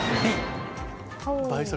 倍速。